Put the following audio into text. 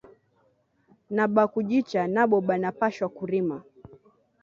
Na ba kujicha nabo bana pashwa ku rima